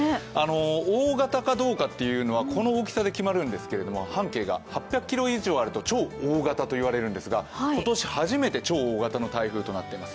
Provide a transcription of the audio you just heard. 大型かどうかっていうのはこの大きさで決まるんですけれども半径が８００ｋｍ以上あると超大型と言われるんですが、今年初めて超大型の台風となっています。